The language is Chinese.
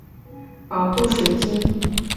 各国设有学院研究和保护水晶。